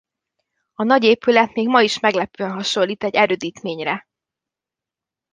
A nagy épület még ma is meglepően hasonlít egy erődítményre.